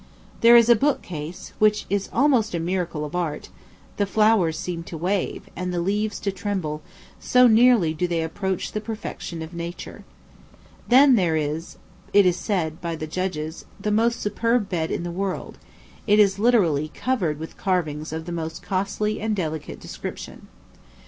There is a bookcase, which is almost a miracle of art; the flowers seem to wave, and the leaves to tremble, so nearly do they approach the perfection of nature. Then there is, it is said by judges, the most superb bed in the world; it is literally covered with carvings of the most costly and delicate description.